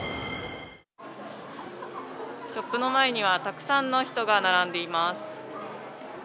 ショップの前には、たくさんの人が並んでいます。